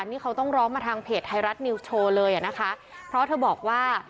นี่เขาต้องร้องมาทางเพจไทยรัฐนิวส์โชว์เลยอ่ะนะคะเพราะเธอบอกว่า